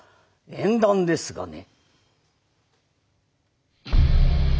縁談ですがね。